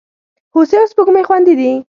هوسۍ او سپوږمۍ خوېندي دي.